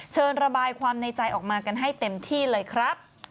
ระบายความในใจออกมากันให้เต็มที่เลยครับ